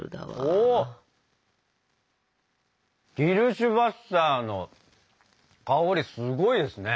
おキルシュヴァッサーの香りすごいですね。